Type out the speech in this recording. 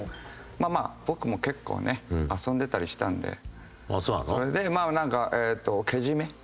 まあまあ僕も結構ね遊んでたりしたのでそれでまあなんかけじめ？